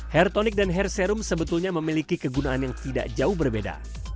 hair tonic dan hair serum sebetulnya memiliki kegunaan yang tidak jauh berbeda